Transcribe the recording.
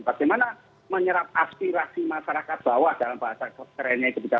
bagaimana menyerap aspirasi masyarakat bawah dalam bahasa keseluruhan itu